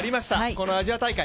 このアジア大会。